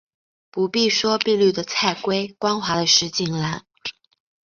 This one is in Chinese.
不必说碧绿的菜畦，光滑的石井栏